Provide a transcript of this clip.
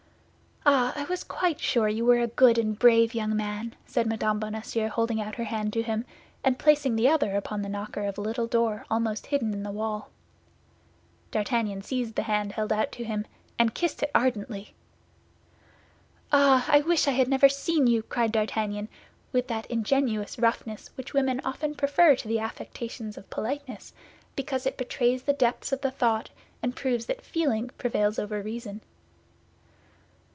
"Ah, I was quite sure you were a good and brave young man," said Mme. Bonacieux, holding out her hand to him, and placing the other upon the knocker of a little door almost hidden in the wall. D'Artagnan seized the hand held out to him, and kissed it ardently. "Ah! I wish I had never seen you!" cried D'Artagnan, with that ingenuous roughness which women often prefer to the affectations of politeness, because it betrays the depths of the thought and proves that feeling prevails over reason.